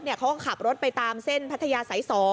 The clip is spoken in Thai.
เขาก็ขับรถไปตามเส้นพัทยาสาย๒